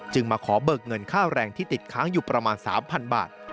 มาขอเบิกเงินค่าแรงที่ติดค้างอยู่ประมาณ๓๐๐บาท